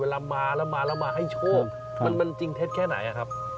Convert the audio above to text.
เวลามาแล้วมาแล้วมาให้โชคมันจริงเท็จแค่ไหนครับ